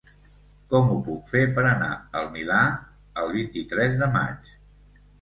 Com ho puc fer per anar al Milà el vint-i-tres de maig?